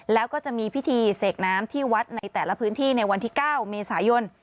แล้วก็จะมีพิธีเสกน้ำที่วัดในแต่ละพื้นที่ในวันที่๙เมษายน